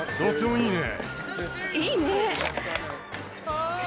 いいね！